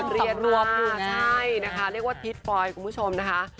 เรียนรวมอยู่ใช่นะคะเรียกว่าทิศฟอยคุณผู้ชมนะคะ